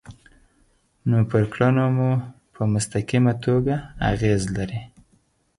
نو پر کړنو مو په مستقیمه توګه اغیز لري.